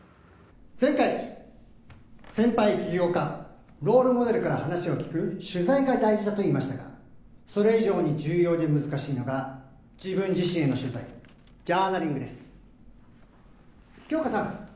前回先輩起業家ロールモデルから話を聞く取材が大事だと言いましたがそれ以上に重要で難しいのが自分自身への取材ジャーナリングです杏花さん